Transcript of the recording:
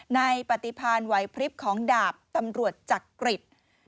ปฏิพันธ์ไหวพลิบของดาบตำรวจจักริต